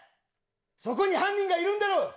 そこに犯人がいるんだろ！